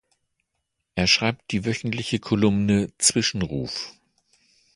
Er schreibt die wöchentliche Kolumne „Zwischenruf“.